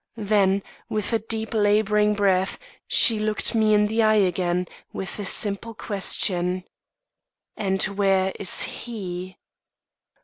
Then, with a deep labouring breath, she looked me in the eye again, with the simple question: "'And where is he?